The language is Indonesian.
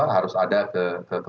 harus ada ke